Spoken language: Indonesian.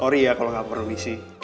sorry ya kalau gak perlu diisi